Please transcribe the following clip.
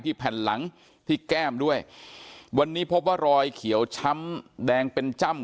แผ่นหลังที่แก้มด้วยวันนี้พบว่ารอยเขียวช้ำแดงเป็นจ้ำ